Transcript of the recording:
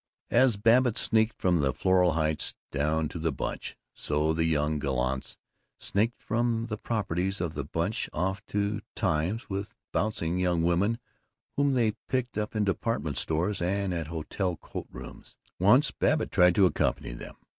As Babbitt sneaked from Floral Heights down to the Bunch, so the young gallants sneaked from the proprieties of the Bunch off to "times" with bouncing young women whom they picked up in department stores and at hotel coatrooms. Once Babbitt tried to accompany them.